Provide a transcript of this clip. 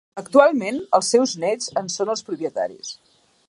Actualment els seus néts en són els propietaris.